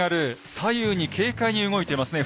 左右に軽快に動いてますね。